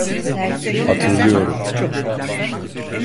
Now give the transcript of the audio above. Hatırlıyorum.